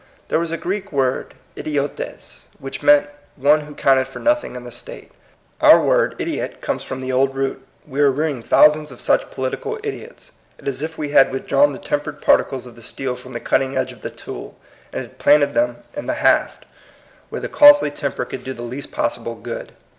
There was a Greek word idiotesy which meant one who counted for nothing in the state. Our word idiot comes from the old root. We are rearing thousands of such political idiots. It is as if we had withdrawn the tempered particles of the steel from the cutting edge of the tool, and had planted them in the haft, where PROBLEM OF THE PROSPEROUS. 115 the costly temper could do the least pos sible good.